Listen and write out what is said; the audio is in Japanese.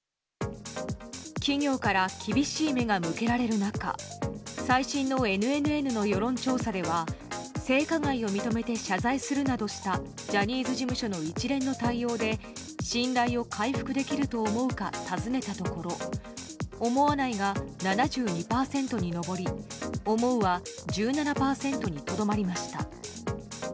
企業から厳しい目が向けられる中最新のＮＮＮの世論調査では性加害を認めて謝罪するなどしたジャニーズ事務所の一連の対応で信頼を回復できると思うか訪ねたところ思わないが７２％に上り思うは１７％にとどまりました。